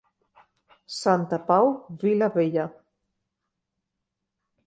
Santa Pau, vila vella.